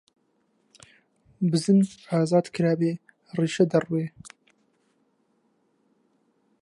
بزن ئازاد کرابێ، ڕیشە دەڕوێ!